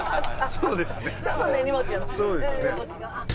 そうですよね。